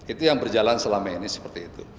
itu yang berjalan selama ini seperti itu